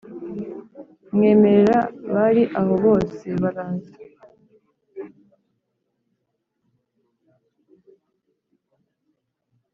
Mwemerera bari aho bose baraza